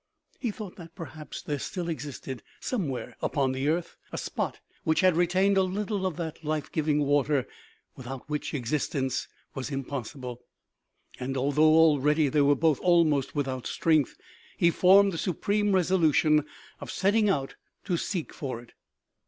He thought that, perhaps, there still existed, somewhere upon the earth, a spot which had retained a little of that life giving water without which existence was impossible ; and, although already they were both almost without strength, he formed the supreme resolution of setting out to seek for it.